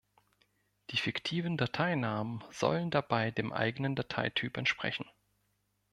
Die fiktiven Dateinamen sollen dabei dem eigenen Dateityp entsprechen.